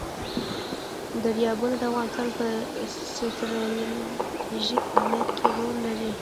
دریابونه د افغانستان په ستراتیژیک اهمیت کې رول لري.